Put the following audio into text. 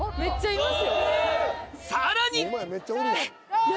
さらに！